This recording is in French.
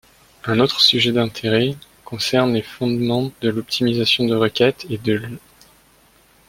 Un autre sujet d'intérêt concerne les fondements de l'optimisation de requêtes et de l'.